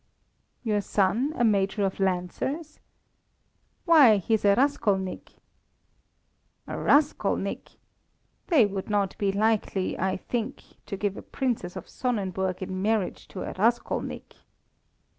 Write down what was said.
"Your son a major of Lancers! Why, he's a raskolnik." "A raskolnik? They would not be likely, I think, to give a Princess of Sonnenburg in marriage to a raskolnik."